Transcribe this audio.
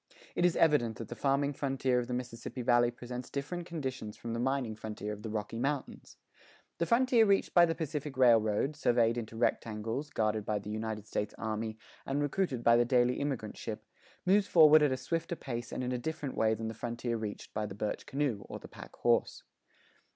It is evident that the farming frontier of the Mississippi Valley presents different conditions from the mining frontier of the Rocky Mountains. The frontier reached by the Pacific Railroad, surveyed into rectangles, guarded by the United States Army, and recruited by the daily immigrant ship, moves forward at a swifter pace and in a different way than the frontier reached by the birch canoe or the pack horse.